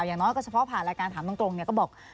อย่างน้อยก็เฉพาะผ่านรายการถามตรงก็บอก